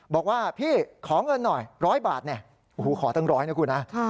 บอกว่าพี่ขอเงินหน่อย๑๐๐บาทขอตั้ง๑๐๐บาทนะครับ